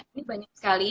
ini banyak sekali